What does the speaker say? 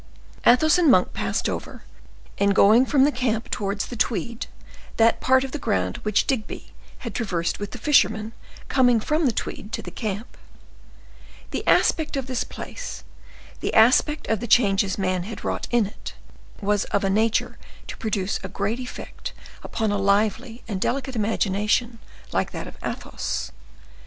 Athos and Monk passed over, in going from the camp towards the Tweed, that part of the ground which Digby had traversed with the fishermen coming from the Tweed to the camp. The aspect of this place, the aspect of the changes man had wrought in it, was of a nature to produce a great effect upon a lively and delicate imagination like that of Athos.